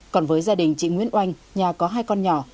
còn với gia đình chị nguyễn oanh nhà có hai con nhỏ